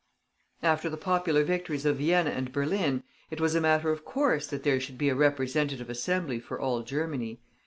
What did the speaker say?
After the popular victories of Vienna and Berlin, it was a matter of course that there should be a Representative Assembly for all Germany.